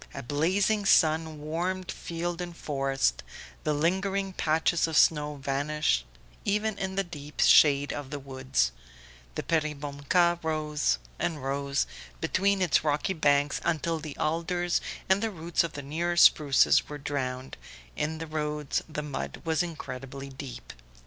A blazing sun warmed field and forest, the lingering patches of snow vanished even in the deep shade of the woods; the Peribonka rose and rose between its rocky banks until the alders and the roots of the nearer spruces were drowned; in the roads the mud was incredibly deep.